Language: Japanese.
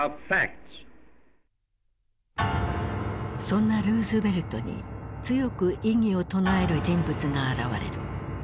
そんなルーズベルトに強く異議を唱える人物が現れる。